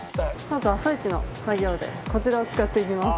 まず朝一の作業でこちらを使っていきます。